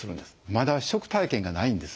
まだ食体験がないんです。